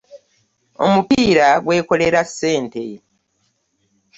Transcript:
Omupiira gwekolera ssente.